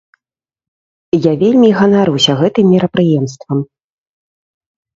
Я вельмі ганаруся гэтым мерапрыемствам.